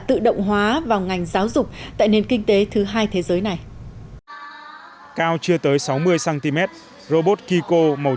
tự động hóa vào ngành giáo dục tại nền kinh tế thứ hai thế giới này cao chưa tới sáu mươi cm robot kiko màu